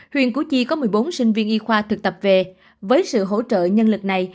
huyện củ chi có một mươi bốn sinh viên y khoa thực tập về với sự hỗ trợ nhân lực này